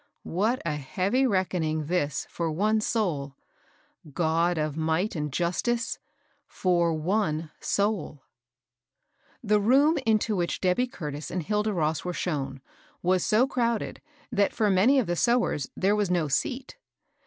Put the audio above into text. What a heavy reckoning this for one soul I God of might and justice 1 for onesoull The room into which Debby Curtis and Hilda Ross were shown was so crowded that for many of the sewers there was no seat.